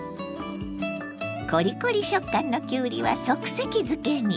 コリコリ食感のきゅうりは即席漬けに。